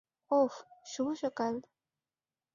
ওহ, শুভ সকাল।